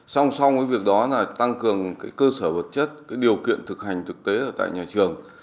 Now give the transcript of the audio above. song song với việc đó là tăng cường cơ sở vật chất điều kiện thực hành thực tế ở tại nhà trường